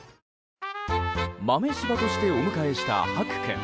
豆しばとしてお迎えした白君。